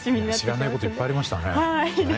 知らないこといっぱいありましたね。